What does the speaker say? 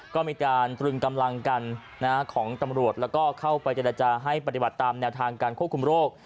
ก็มีการตรึงกำลังกันของตำรวจแล้วก็เข้าไปเจรจาให้ปฏิบัติตามแนวทางการควบคุมโรค